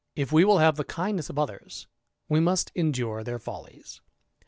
we will have the kindness of others, we must endure follies.